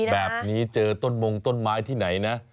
แบบนี้เจอต้นมงต้นไม้ที่ไหนนะ